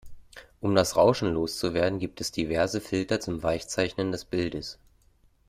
Um das Rauschen loszuwerden gibt es diverse Filter zum Weichzeichnen des Bildes.